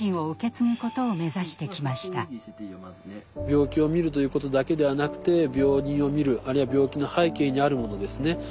病気を診るということだけではなくて病人を診るあるいは病気の背景にあるものですね